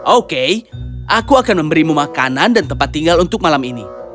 oke aku akan memberimu makanan dan tempat tinggal untuk malam ini